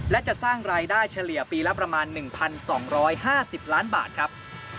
และจะสร้างรายได้เฉลี่ยปีละประมาณ๑๒๕๐ล้านบาทครับ